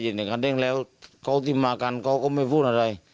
พอได้ยินเสียงคันเร่งแล้วเขาที่มากันเขาก็ไม่พูดอะไร